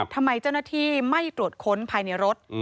ทำไมเจ้าหน้าที่ไม่ตรวจค้นภายในรถ